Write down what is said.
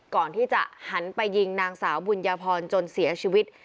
ก่อนที่จะหันไปยิงนางสาวบุญญาพรจนเสียชีวิต